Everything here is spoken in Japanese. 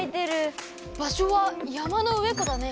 場しょは「やまのうえこ」だね。